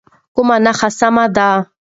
کومه نښه سمه ده؟